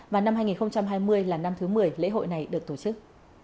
và năm hai nghìn hai mươi là năm thứ một mươi lễ hội này được tổ chức